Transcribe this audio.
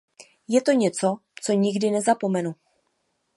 Je to něco, co nikdy nezapomenu.